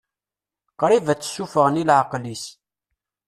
Qrib ad tt-ssufɣen i leɛqel-is.